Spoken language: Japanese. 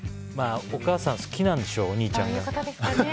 お母さん好きなんでしょうお兄ちゃんが。